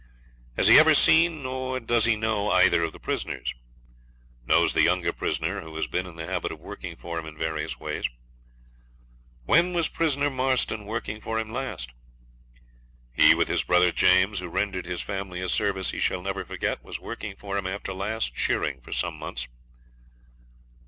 'Has he ever seen, or does he know either of the prisoners?' 'Knows the younger prisoner, who has been in the habit of working for him in various ways.' 'When was prisoner Marston working for him last?' 'He, with his brother James, who rendered his family a service he shall never forget, was working for him, after last shearing, for some months.'